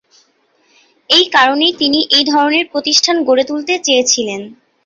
এই কারণেই তিনি এই ধরণের প্রতিষ্ঠান গড়ে তুলতে চেয়েছিলেন।